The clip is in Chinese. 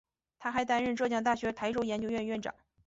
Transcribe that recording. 他还担任浙江大学台州研究院院长。